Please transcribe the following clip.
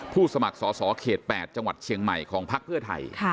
สมัครสอสอเขต๘จังหวัดเชียงใหม่ของพักเพื่อไทย